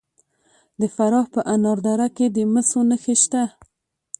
د فراه په انار دره کې د مسو نښې شته.